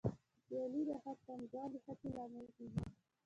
سیالي د هر پانګوال د هڅې لامل کېږي